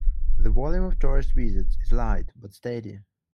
The volume of tourist visits is light, but steady.